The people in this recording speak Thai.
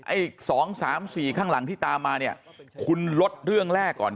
ไอ้สองสามสี่ข้างหลังที่ตามมาเนี่ยคุณลดเรื่องแรกก่อน